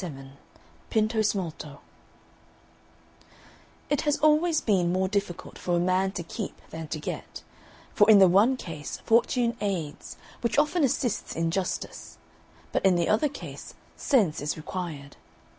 XXVII PINTOSMALTO It has always been more difficult for a man to keep than to get; for in the one case fortune aids, which often assists injustice, but in the other case sense is required.